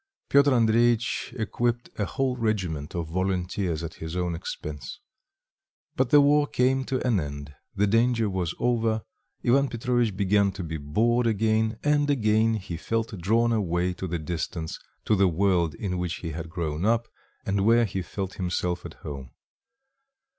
Piotr Andreitch equipped a whole regiment of volunteers at his own expense. But the war came to an end, the danger was over; Ivan Petrovitch began to be bored again, and again he felt drawn away to the distance, to the world in which he had grown up, and where he felt himself at home.